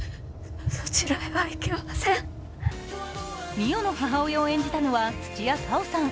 美世の母親を演じたのは土屋太鳳さん。